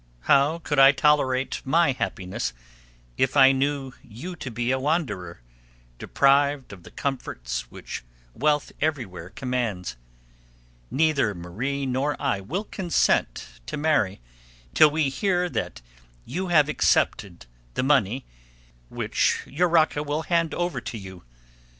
How could I tolerate my happiness if I knew you to be a wanderer, deprived of the comforts which wealth everywhere commands? Neither Marie nor I will consent to marry till we hear that you have accepted the money which Urraca will hand over to you.